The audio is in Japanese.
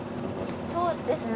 そうですね。